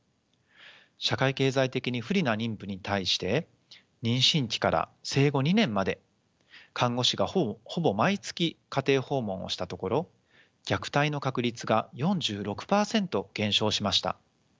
社会経済的に不利な妊婦に対して妊娠期から生後２年まで看護師がほぼ毎月家庭訪問をしたところ虐待の確率が４６％減少しました。